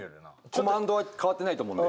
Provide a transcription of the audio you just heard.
コマンドは変わってないと思うんで。